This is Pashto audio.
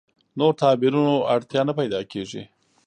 نور تعبیرونو اړتیا نه پیدا کېږي.